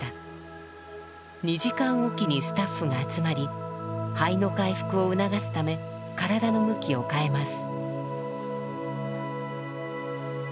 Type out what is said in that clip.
２時間おきにスタッフが集まり肺の回復を促すため体の向きを変えます。